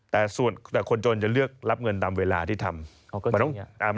แต่คนโจรจะเลือกรับเงินตามเวลาที่ทำ